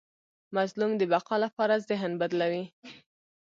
مظلوم د بقا لپاره ذهن بدلوي.